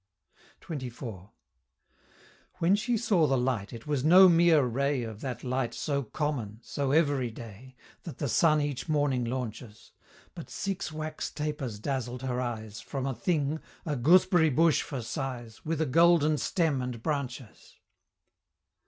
XXIV. When she saw the light, it was no mere ray Of that light so common so everyday That the sun each morning launches But six wax tapers dazzled her eyes, From a thing a gooseberry bush for size With a golden stem and branches.